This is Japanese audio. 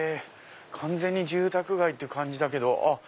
完全に住宅街って感じだけどあっ